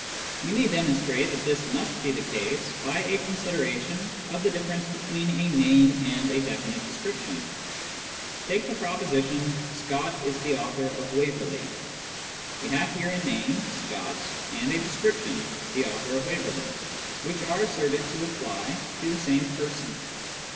We may demonstrate that this must be the case, by a 'consideration of the difference between a name and a definite description. Take the proposition, " Scott is the author of Waverley." We have here a name, " Scott," and a description, " the author of Waverley" which are asserted to apply to the same person.